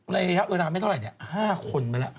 ระยะเวลาไม่เท่าไหร่๕คนไปแล้ว